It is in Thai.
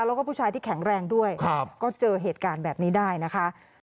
แล้วก็ผู้ชายที่แข็งแรงด้วยก็เจอเหตุการณ์แบบนี้ได้นะคะ